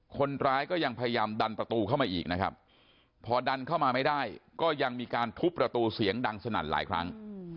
คนร้ายก็ยังพยายามดันประตูเข้ามาอีกนะครับพอดันเข้ามาไม่ได้ก็ยังมีการทุบประตูเสียงดังสนั่นหลายครั้ง